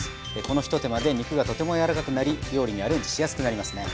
この一手間で肉がとてもやわらかくなり料理にアレンジしやすくなりますね。